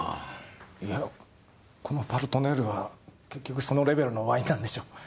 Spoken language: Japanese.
いやこの「パルトネール」は結局そのレベルのワインなんでしょう。